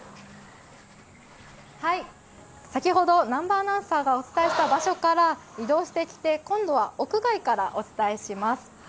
先ほど、南波アナウンサーがお伝えした場所から移動してきて、今度は屋外からお伝えします。